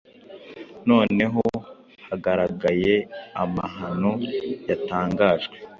Noneho haragaragaye amahano yatangajwe